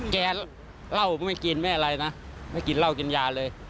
เหล้าไม่กินไม่อะไรนะไม่กินเหล้ากินยาเลย